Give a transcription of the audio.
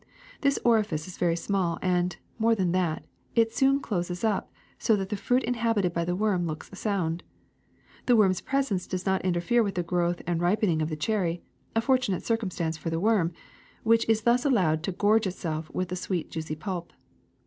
This orifice is very small and, more than that, it soon closes up, so that the fruit inhabited by the worm looks sound. The worm's presence does not interfere with the growth and ripening of the cherry, a fortunate cir cumstance for the worm, which is thus allowed to gorge itself with the juicy sweet pulp.